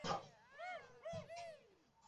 可经由蓝色和黄色混和而成的颜色。